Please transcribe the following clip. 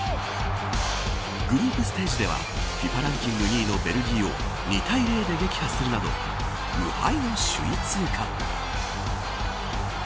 グループステージではＦＩＦＡランキング２位のベルギーを２対０で撃破するなど無敗の首位通過。